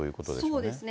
そうですね。